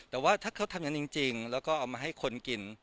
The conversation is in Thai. แต่ว่าถ้าเขาทำอย่างนั้นจริงแล้วก็เอามาให้คนกิน